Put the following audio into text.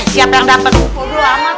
siapa yang dapet